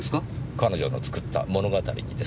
彼女の作った物語にです。